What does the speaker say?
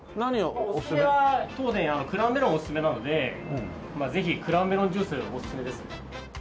おすすめは当店クラウンメロンがおすすめなのでぜひクラウンメロンジュースおすすめですね。